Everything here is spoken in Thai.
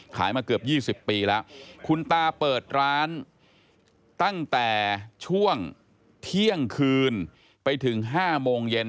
มาเกือบ๒๐ปีแล้วคุณตาเปิดร้านตั้งแต่ช่วงเที่ยงคืนไปถึง๕โมงเย็น